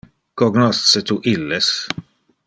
Cognosce tu illes?